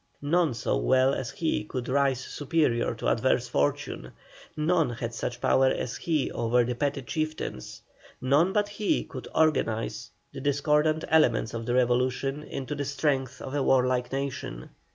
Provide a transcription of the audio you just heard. None so well as he could rise superior to adverse fortune, none had such power as he over the petty chieftains, none but he could organize the discordant elements of the revolution into the strength of a warlike nation.